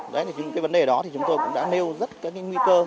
đấy thì những cái vấn đề đó thì chúng tôi cũng đã nêu rất cái nguy cơ